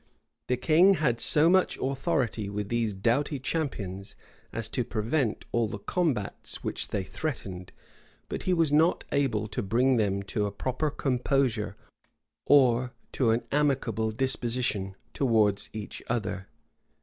The king had so much authority with these doughty champions, as to prevent all the combats which they threatened; but he was not able to bring them to a proper composure, or to an amicable disposition towards each other.